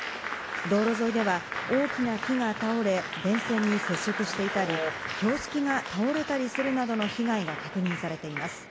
道路沿いでは大きな木が倒れ、電線に接触していたり、標識が倒れたりするなどの被害が確認されています。